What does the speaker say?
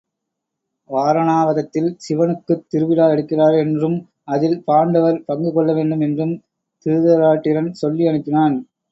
வாரணாவதத்தில் சிவனுக்குத் திருவிழா எடுக்கிறார் என்றும் அதில் பாண்டவர் பங்கு கொள்ள வேண்டும் என்றும் திருதராட்டிரன் சொல்லி அனுப்பினான்.